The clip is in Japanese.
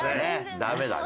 ダメだね。